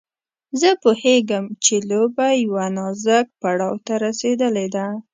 زه پوهېږم چې لوبه يوه نازک پړاو ته رسېدلې ده.